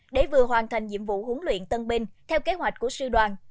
để vừa hoàn thành nhiệm vụ huấn luyện tân binh theo kế hoạch của sư đoàn